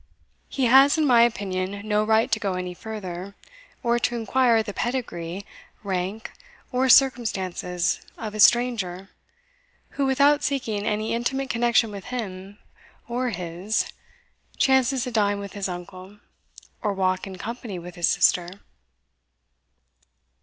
He has, in my opinion, no right to go any further, or to inquire the pedigree, rank, or circumstances, of a stranger, who, without seeking any intimate connection with him, or his, chances to dine with his uncle, or walk in company with his sister."